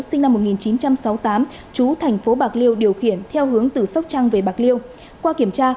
sinh năm một nghìn chín trăm sáu mươi tám chú thành phố bạc liêu điều khiển theo hướng từ sóc trăng về bạc liêu qua kiểm tra